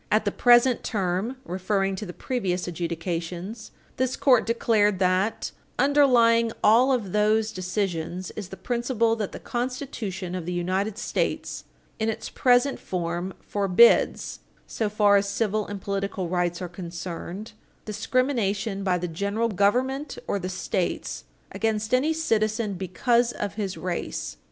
At the present term, referring to the previous adjudications, this court declared that "underlying all of those decisions is the principle that the Constitution of the United States, in its present form, forbids, so far as civil and political rights are concerned, discrimination by the General Government or the States against any citizen because of his race.